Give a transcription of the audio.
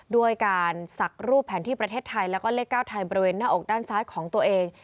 ด้วยการสักรูปแผนที่ประเทศไทยแล้วก็เลข๙ไทยบริเวณหน้าอกด้านซ้ายของตัวเอง